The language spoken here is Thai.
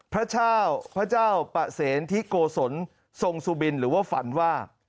พระเจ้าพระเจ้าปะเสนทิโกศลทรงสุบินหรือว่าฝันว่า